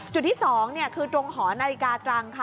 จุดที่๒คือตรงหอนาฬิกาตรังค่ะ